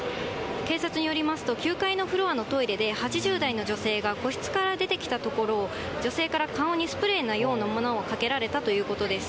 警察によりますと、９階のフロアのトイレで８０代の女性が個室から出てきたところを、女性から顔にスプレーのようなものをかけられたということです。